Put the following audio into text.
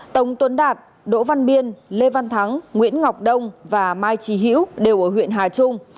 tống tuấn đạt đỗ văn biên lê văn thắng nguyễn ngọc đông và mai trí hữu đều ở huyện hà trung